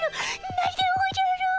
ないでおじゃる。